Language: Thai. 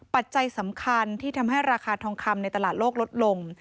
ปัจจัยสำคัญที่ทำให้ราคาทองคำในตลาดโลกลดลง